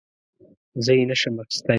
زه یې نه شم اخیستی .